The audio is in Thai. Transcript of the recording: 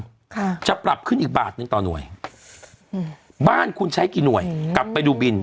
ค่ะจะปรับขึ้นอีกบาทหนึ่งต่อหน่วยอืมบ้านคุณใช้กี่หน่วยกลับไปดูบิน